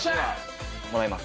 もらいます。